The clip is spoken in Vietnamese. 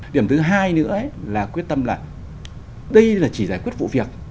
điểm thứ hai nữa là quyết tâm là đây là chỉ giải quyết vụ việc